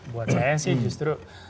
buat saya sih justru